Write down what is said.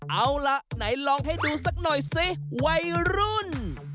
เอาล่ะไหนลองให้ดูสักหน่อยสิวัยรุ่น